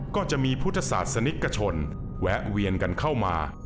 ก็จะมีพุทธศาสนิกชนแวะเวียนกันเข้ามา